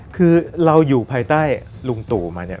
คือเราอยู่ภายใต้ลุงตู่มาเนี่ย